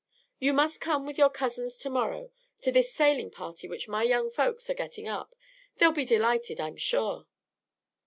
You must come with your cousins to morrow to this sailing party which my young folks are getting up. They'll be delighted, I'm sure."